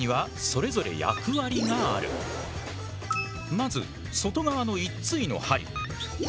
まず外側の１対の針。